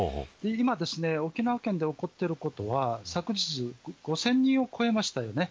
今、沖縄県で起こっていることは昨日５０００人を超えましたよね。